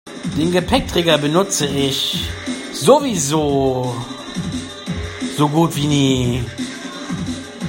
Den Gepäckträger benutze ich sowieso so gut wie nie.